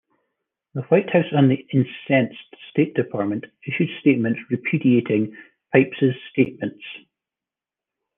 The White House and the "incensed" State Department issued statements repudiating Pipes's statements.